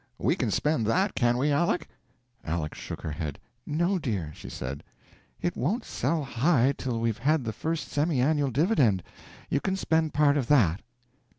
We can spend that, can't we, Aleck?" Aleck shook her head. "No, dear," she said, "it won't sell high till we've had the first semi annual dividend. You can spend part of that."